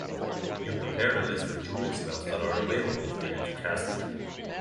You prepare the list of druid spells that are available for you to cast